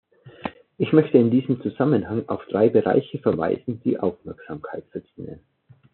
Ich möchte in diesem Zusammenhang auf drei Bereiche verweisen, die Aufmerksamkeit verdienen.